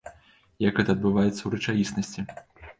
Як гэта адбываецца ў рэчаіснасці?